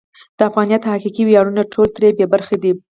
د افغانیت حقیقي ویاړونه ټول ترې بې برخې دي.